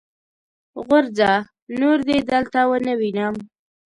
غورځه! نور دې دلته و نه وينم.